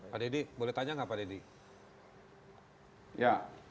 pak dedy boleh tanya nggak pak dedy